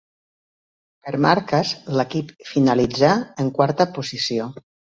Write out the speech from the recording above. Per marques l'equip finalitzà en quarta posició.